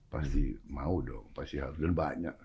pasti mau dong pasti harganya banyak